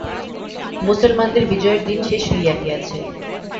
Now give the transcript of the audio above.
মুসলমানদের বিজয়ের দিন শেষ হইয়া গিয়াছে।